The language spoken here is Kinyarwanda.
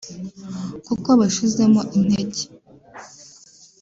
kuko bashizemo intege